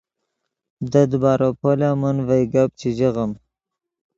دے دیبارو پول ام من ڤئے گپ چے ژیغیم